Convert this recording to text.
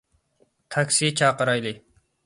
تاكسى چاقىرايلى.